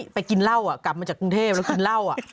กินเหล้ากลับมาจากกรุงเทพแล้วกินเหล้า